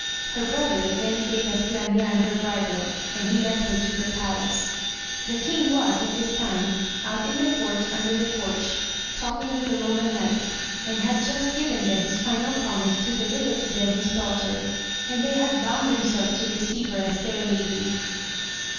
Her brother then gave Esplandian her bridle and he led her to the palace. The king was at this time out in the court under a porch, talking with the Eoman knights, and had AMADIS OF GAUL. 29 just given them his final promise to deliver to them his daughter, and they had hound themselves to receive her as their lady.